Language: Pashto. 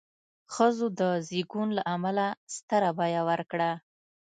ښځو د زېږون له امله ستره بیه ورکړه.